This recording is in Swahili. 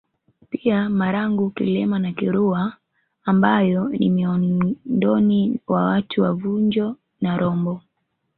Pia Marangu Kilema na Kirua ambayo ni miondoni wa watu wa vunjo na rombo